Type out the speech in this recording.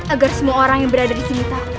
agar semua orang yang berada disini tahu